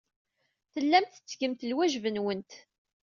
Tellamt tettgemt lwajeb-nwent.